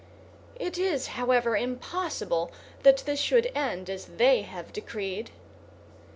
It is, however, impossible that this should end as they have decreed!"